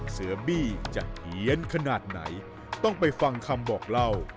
เสือบี้จะเฮียนขนาดไหนต้องไปฟังคำบอกเล่า